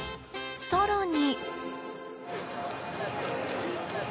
更に。